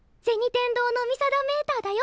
天堂の見定メーターだよ！